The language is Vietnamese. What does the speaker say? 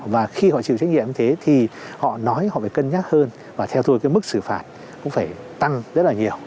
và khi họ chịu trách nhiệm như thế thì họ nói họ phải cân nhắc hơn và theo tôi cái mức xử phạt cũng phải tăng rất là nhiều